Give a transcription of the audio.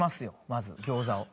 まず餃子を。